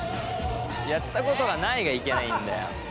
やったことがないがいけないんだよ。